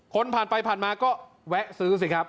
ผ่านไปผ่านมาก็แวะซื้อสิครับ